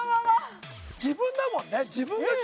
自分だもんね。